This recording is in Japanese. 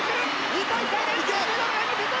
２大会連続メダルへ向けて！